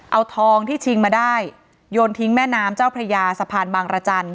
เอาทองที่ชิงมาได้โยนทิ้งแม่น้ำเจ้าพระยาสะพานบางรจันทร์